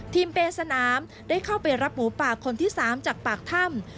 เปย์สนามได้เข้าไปรับหมูป่าคนที่๓จากปากถ้ำ